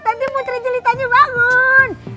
nanti putri jelitanya bangun